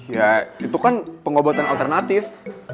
ya itu kan pengobatan alternatif